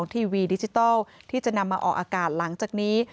ที่เป็นวันโฆษณาเศรษฐานี้